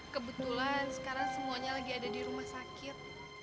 kebetulan sekarang semuanya lagi ada di rumah sakit